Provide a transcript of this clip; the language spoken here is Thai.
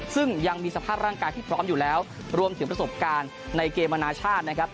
ซึ่งยังมีสภาพร่างกายที่พร้อมอยู่แล้วรวมถึงประสบการณ์ในเกมอนาชาตินะครับ